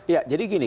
ya jadi gini